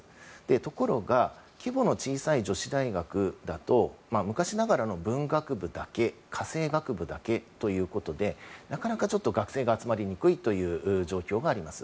ところが規模の小さい女子大学だと昔ながらの文学部だけ家政学部だけということでなかなか学生が集まりにくいという状況があります。